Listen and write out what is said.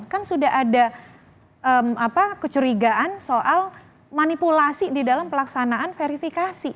kan sudah ada kecurigaan soal manipulasi di dalam pelaksanaan verifikasi